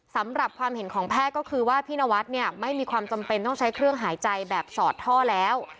สำหรับความเห็นของแพทย์ก็คือว่าพี่นวัดเนี่ยไม่มีความจำเป็นต้องใช้เครื่องหายใจแบบสอดท่อแล้ว